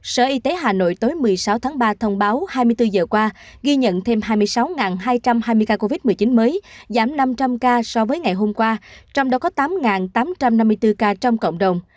sở y tế hà nội tối một mươi sáu tháng ba thông báo hai mươi bốn giờ qua ghi nhận thêm hai mươi sáu hai trăm hai mươi ca covid một mươi chín mới giảm năm trăm linh ca so với ngày hôm qua trong đó có tám tám trăm năm mươi bốn ca trong cộng đồng